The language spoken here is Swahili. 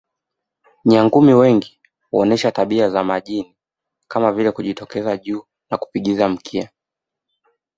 Nyangumi wengi huonesha tabia nyingi za majini kama vile kujitokeza juu na kupigiza mkia